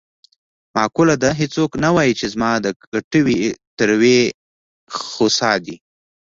معقوله ده: هېڅوک نه وايي چې زما د کټوې تروې خسا دي.